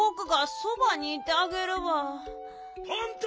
パンタ！